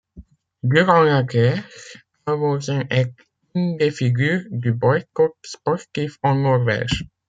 Durant la guerre, Halvorsen est une des figures du boycott sportif en Norvège.